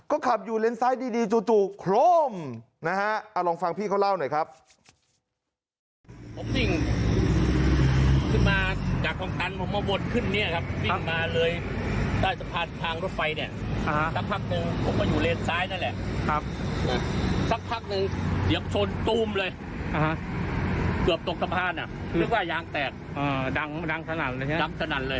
ก็ขับอยู่เลนซ้ายดีจู่โครมนะฮะเอาลองฟังพี่เขาเล่าหน่อยครับ